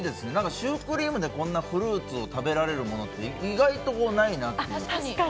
シュークリームでこんなフルーツを食べられるのって意外とないなっていう。